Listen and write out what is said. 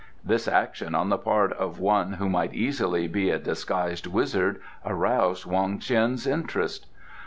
This action, on the part of one who might easily be a disguised wizard, aroused Wong Ts'in's interest.